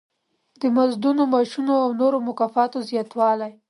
د مزدونو، معاشونو او د نورو مکافاتو زیاتوالی.